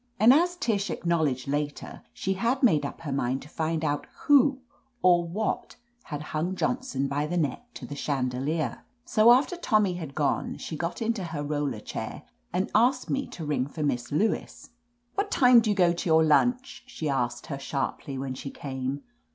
And as Tish acknowledged later, she had made up her mind to find out who or what had hung Johnson by the neck to the chandelier. So aft^r Tommy had gone, she got into her roller chair and asked me to ring for Miss Lewis. "What time do you go to your lunch?" she' asked her sharply, when she came.